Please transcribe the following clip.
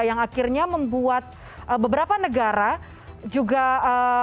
yang akhirnya membuat beberapa negara juga produksi sendiri tahu dan tempe mereka